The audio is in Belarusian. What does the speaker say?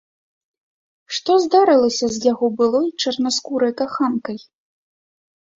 Што здарылася з яго былой чарнаскурай каханкай?